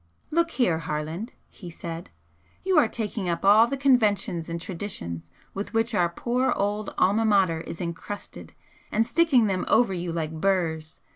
'Look here, Harland' he said 'You are taking up all the conventions and traditions with which our poor old Alma Mater is encrusted, and sticking them over you like burrs.